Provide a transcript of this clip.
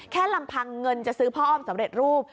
ลำพังเงินจะซื้อพ่ออ้อมสำเร็จรูป